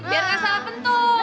biar gak salah bentung